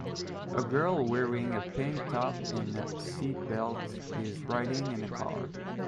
a girl wearing a pink top and a seat belt is riding in a car.